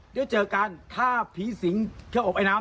เดี๋ยวเจอกันถ้าผีสิงเครื่องอบไอน้ำ